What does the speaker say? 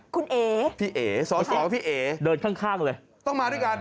คุณเอ๋พี่เอ๋สอสอพี่เอ๋เดินข้างเลยต้องมาด้วยกัน